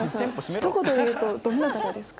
ひと言で言うとどんな方ですか？